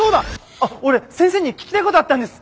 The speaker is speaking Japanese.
あっ俺先生に聞きたいことあったんです！